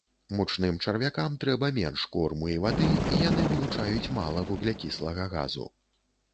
Мучным чарвякам трэба менш корму і вады, і яны вылучаюць мала вуглякіслага газу.